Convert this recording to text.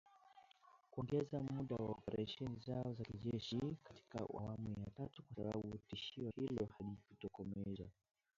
Kuongeza muda wa operesheni zao za kijeshi katika awamu ya tatu, kwa sababu tishio hilo halijatokomezwa.